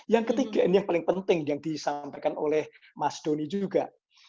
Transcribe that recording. yang ketiga ini yang paling penting yang disampaikan oleh mas doni juga